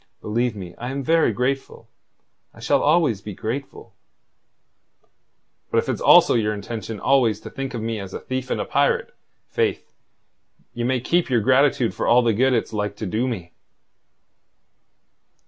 Believe me, I am very grateful. I shall always be grateful." "But if it's also your intention always to think of me as a thief and a pirate, faith, ye may keep your gratitude for all the good it's like to do me."